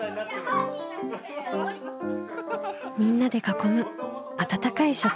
みんなで囲む温かい食卓。